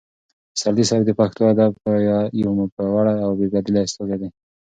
پسرلي صاحب د پښتو معاصر ادب یو پیاوړی او بې بدیله استازی دی.